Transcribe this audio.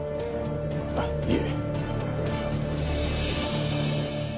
あっいえ。